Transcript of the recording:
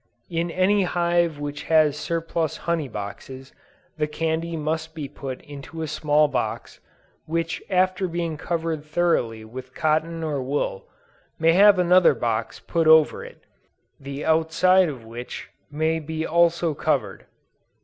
In any hive which has surplus honey boxes, the candy may be put into a small box, which after being covered thoroughly with cotton or wool, may have another box put over it, the outside of which may be also covered.